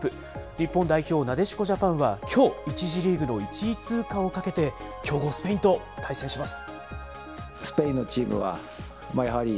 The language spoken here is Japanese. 日本代表、なでしこジャパンはきょう、１次リーグの１位通過をかけて、強豪スペインと対戦します。